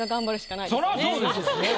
そりゃそうですよ。